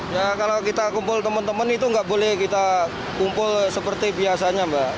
ya kalau kita kumpul teman teman itu nggak boleh kita kumpul seperti biasanya mbak